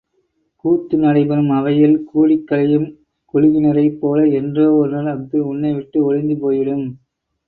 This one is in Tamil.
கூத்து நடைபெறும் அவையில் கூடிக்கலையும் குழுவினரைப் போல என்றோ ஒருநாள் அஃது உன்னைவிட்டு ஒழிந்து போய்விடும்.